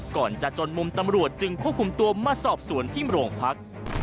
ก่อนจะจนมุมตำรวจจึงควบคุมตัวมาสอบสวนที่โรงพัก